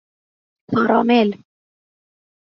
کارامل